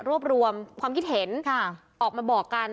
รวบรวมความคิดเห็นออกมาบอกกัน